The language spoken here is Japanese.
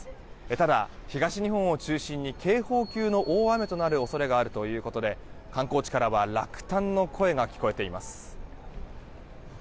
ただ、東日本を中心に警報級の大雨となる恐れがあるということで観光地からは落胆の声が聞こえています。